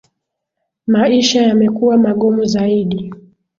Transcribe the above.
Maisha yamekuwa magumu zaidi.